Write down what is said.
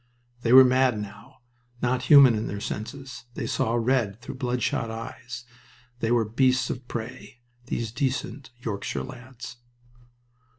They were mad now, not human in their senses. They saw red through bloodshot eyes. They were beasts of prey these decent Yorkshire lads.